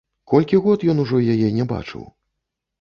Колькі год ён ужо яе не бачыў!